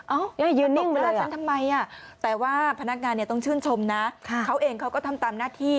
เอ้ายืนนิ่งเลยทำไมอ่ะแต่ว่าพนักงานต้องชื่นชมนะเขาเองเขาก็ทำตามหน้าที่